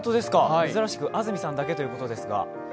珍しく安住さんだけということですが？